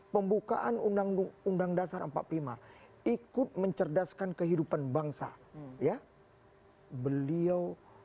pembukaan undang undang dasar empat puluh lima ikut mencerdaskan kehidupan bangsa ya beliau